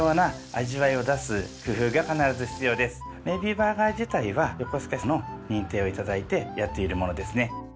バーガー自体は横須賀市の認定を頂いてやっているものですね。